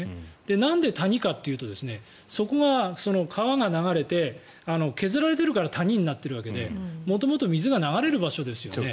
なんで谷かというとそこが川が流れて削られてるから谷になってるわけで元々は水が流れる場所ですよね。